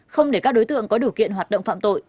không để các đối tượng có điều kiện hoạt động phạm tội